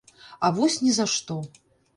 А вось ні за што.